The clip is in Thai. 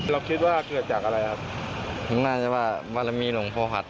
เราคิดว่าเกิดจากอะไรครับน่าจะว่าบารมีหลวงพ่อหัส